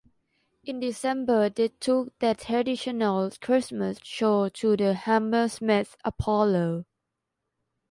In December they took their traditional Christmas show to the Hammersmith Apollo.